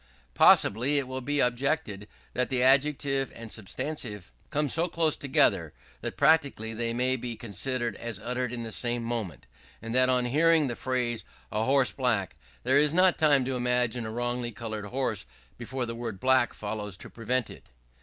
Possibly it will be objected that the adjective and substantive come so close together, that practically they may be considered as uttered at the same moment; and that on hearing the phrase, "a horse black," there is not time to imagine a wrongly coloured horse before the word "black" follows to prevent it.